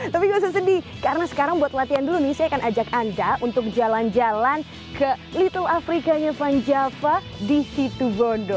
tapi gak usah sedih karena sekarang buat latihan dulu nih saya akan ajak anda untuk jalan jalan ke little afrikanya van java di situ bondo